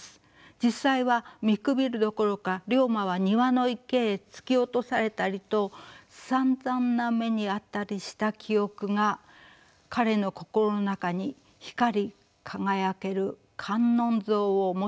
実際は見くびるどころか竜馬は庭の池へ突き落とされたりとさんざんな目に遭ったりした記憶が彼の心の中に「光り輝ける観音像」を持つことへつながっていったのでした。